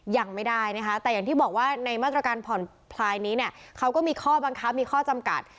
ยังไม่ได้นะคะแต่อย่างที่บอกว่าในมาตรการผ่อนพลายนี้เนี่ยเขาก็มีข้อบังคับมีข้อจำกัด